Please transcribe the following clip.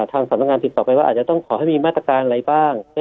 ทางสำนักงานติดต่อไปว่าอาจจะต้องขอให้มีมาตรการอะไรบ้าง